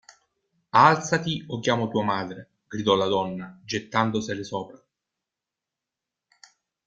Alzati o chiamo tua madre, – gridò la donna, gettandosele sopra.